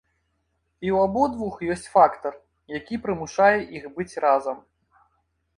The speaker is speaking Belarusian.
І ў абодвух ёсць фактар, які прымушае іх быць разам.